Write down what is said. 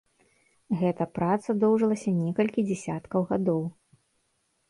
Гэта праца доўжылася некалькі дзясяткаў гадоў.